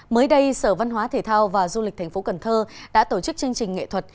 mới đây sở văn hóa thể thao và du lịch thành phố cần thơ đã tổ chức chương trình nghệ thuật